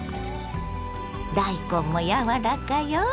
大根も柔らかよ。